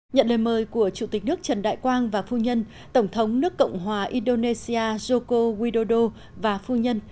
nhận lời mời của chủ tịch nước trần đại quang và phu nhân tổng thống nước cộng hòa indonesia joko widodo và phu nhân